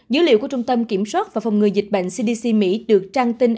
dữ liệu của trung tâm kiểm soát và phòng ngừa dịch bệnh cdc mỹ được trang tin